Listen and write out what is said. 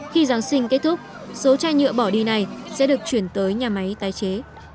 khi giáng sinh kết thúc số chai nhựa bỏ đi này sẽ được chuyển tới nhà máy tái chế